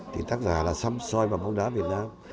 thì tác giả là xăm xoay vào bóng đá việt nam